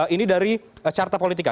ini dari carta politika